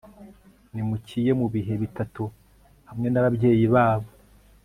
nimukiye mubihe bitatu hamwe na babyeyi babao